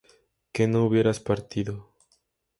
que no hubieras partido